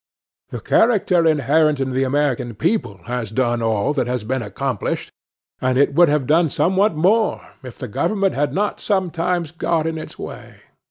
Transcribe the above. The character inherent in the American people has done all that has been accomplished; and it would have done somewhat more, if the government had not sometimes got in its way.